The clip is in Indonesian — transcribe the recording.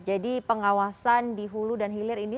jadi pengawasan di hulu dan filir ini